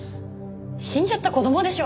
死んじゃった子供でしょ？